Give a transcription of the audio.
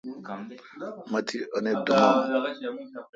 مہ تی انت دوم اں